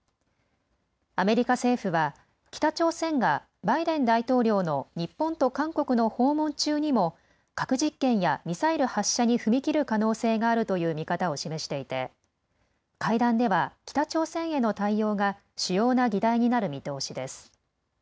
アメリカ政府は北朝鮮がバイデン大統領の日本と韓国の訪問中にも核実験やミサイル発射に踏み切る可能性があるという見方を示していて会談では北朝鮮への対応が主要な議題になる見通しです。